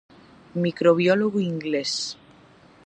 Microbiólogo inglés.